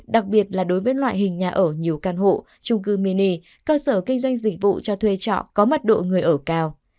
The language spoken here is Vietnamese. đặc biệt là đối với loại hình nhà ở nhiều căn hộ trung cư mini cơ sở kinh doanh dịch vụ cho thuê trọ có mật độ người ở cao